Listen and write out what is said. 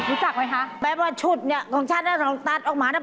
รู้จักไหมคะแปลว่าชุดเนี่ยของฉันน่ะลองตัดออกมานะ